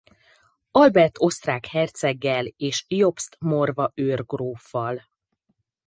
Albert osztrák herceggel és Jobst morva őrgróffal.